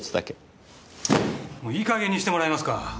もういい加減にしてもらえますか！